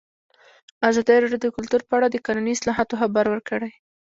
ازادي راډیو د کلتور په اړه د قانوني اصلاحاتو خبر ورکړی.